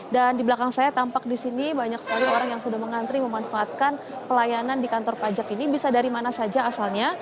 dan di belakang saya tampak disini banyak sekali orang yang sudah mengantri memanfaatkan pelayanan di kantor pajak ini bisa dari mana saja asalnya